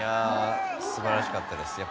素晴らしかったです。